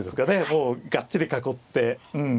もうがっちり囲ってうん。